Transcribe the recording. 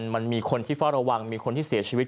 มันมีคนที่เฝ้าระวังมีคนที่เสียชีวิต